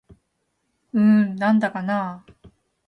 うーん、なんだかなぁ